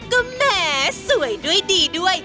ก็แหมสวยด้วยดีด้วย